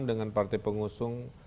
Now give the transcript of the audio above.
dengan partai pengusung